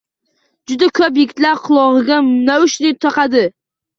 Juda ko‘p yigitlar qulog‘iga naushnik taqadi.